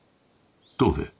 藤兵衛。